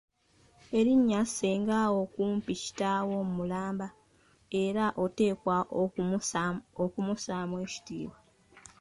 Erinnya Ssengawo kumpi kitaawo mulamba, era oteekwa okumussaamu ekitiibwa.